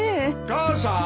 ・母さん！